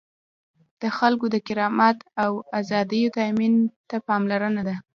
د خلکو د کرامت او آزادیو تأمین ته پاملرنه ده.